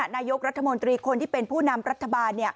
นายกรัฐมนตรีคนที่เป็นผู้นำรัฐบาล